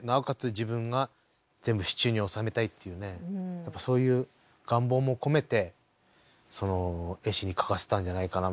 自分が全部手中に収めたいというねそういう願望も込めてその絵師に描かせたんじゃないかなみたいなね。